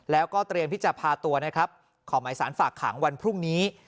แล้วก็เตรียมที่จะพาตัวนะครับขอหมายสารฝากขังวันพรุ่งนี้